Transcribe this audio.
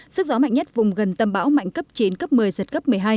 sức gió mạnh nhất vùng gần tâm bão mạnh cấp chín cấp một mươi giật cấp một mươi hai